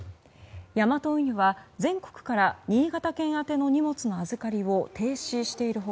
ヤマト運輸は全国から新潟県宛ての荷物の預かりを停止している他